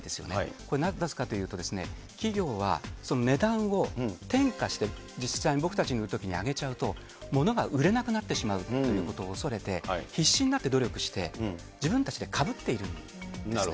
これなぜかというと、企業は値段を転嫁して、実際に僕たちに売るときに上げちゃうと、物が売れなくなってしまうということを恐れて、必死になって努力して、自分たちでかぶっているんですね。